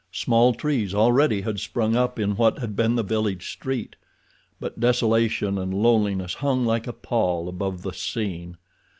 Small trees already had sprung up in what had been the village street; but desolation and loneliness hung like a pall above the scene.